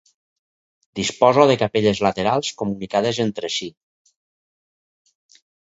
Disposa de capelles laterals comunicades entre si.